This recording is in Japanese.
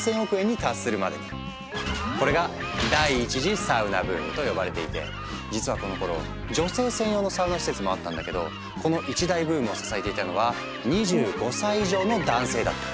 働くサラリーマンのオアシスとして脚光を浴びこれが実はこのころ女性専用のサウナ施設もあったんだけどこの一大ブームを支えていたのは２５歳以上の男性だった。